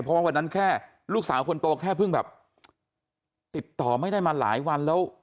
เพราะว่าวันนั้นแค่ลูกสาวคนโตแค่เพิ่งแบบติดต่อไม่ได้มาหลายวันแล้ว